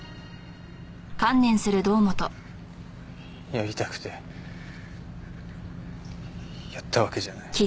やりたくてやったわけじゃない。